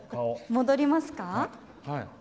戻りますか？